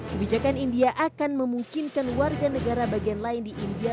kebijakan india akan memungkinkan warga negara bagian lain di india